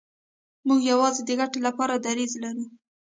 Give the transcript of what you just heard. موږ یوازې د ګټې لپاره دریځ لرو.